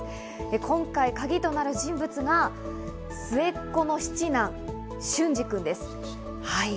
今回カギとなる人物が末っ子の七男・準司君です。